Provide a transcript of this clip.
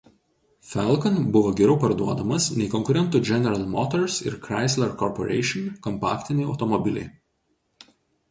Falcon buvo geriau parduodamas nei konkurentų General Motors ir Chrysler Corporation kompaktiniai automobiliai.